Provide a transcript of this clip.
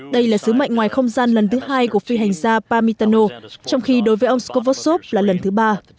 đây là sứ mệnh ngoài không gian lần thứ hai của phi hành gia pamitano trong khi đối với ông skovosov là lần thứ ba